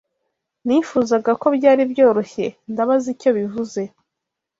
Nifuzaga ko byari byoroshye. Ndabaza icyo bivuze.